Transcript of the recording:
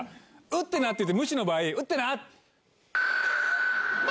打ってな！って言って無視の場合打ってな！